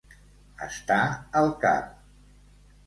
Estar al cap.